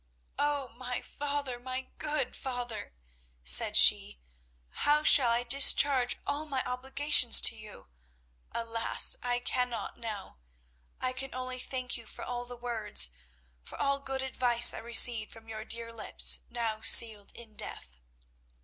"Oh, my father, my good father," said she, "how shall I discharge all my obligations to you? Alas, I cannot now. I can only thank you for all the words, for all good advice I received from your dear lips, now sealed in death.